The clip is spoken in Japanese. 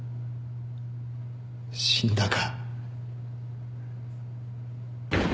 死んだか。